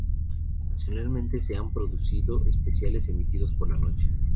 Ocasionalmente se han producido especiales emitidos por la noche.